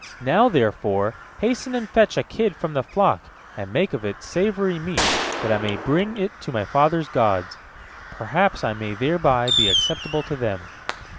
Now, therefore, hasten and fetch a kid from the flock, and make of it savory meat, that I may bring it to my father's gods, perhaps I may thereby become acceptable to them."